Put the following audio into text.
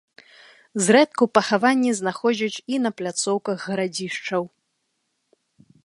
Зрэдку пахаванні знаходзяць і на пляцоўках гарадзішчаў.